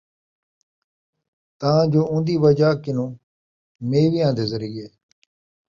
تاں جو اُوندی وجہ کنوں میویاں دے ذریعے